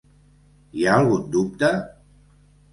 Hi ha algun dubte?